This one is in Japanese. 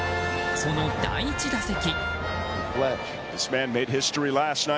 その第１打席。